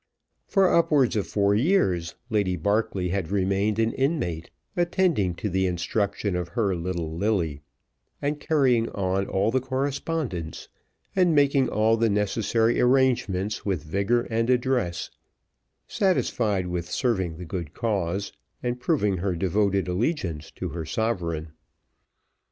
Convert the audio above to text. For upwards of four years, Lady Barclay had remained an inmate, attending to the instruction of her little Lilly, and carrying on all the correspondence, and making all the necessary arrangements with vigour and address, satisfied with serving the good cause, and proving her devoted allegiance to her sovereign.